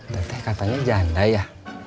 teteh katanya janda ya